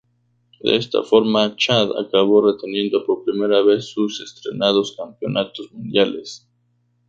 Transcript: De esta forma, Chad acabó reteniendo por primera vez sus estrenados campeonatos mundiales.